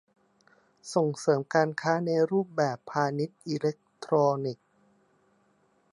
ส่งเสริมการค้าในรูปแบบพาณิชย์อิเล็กทรอนิกส์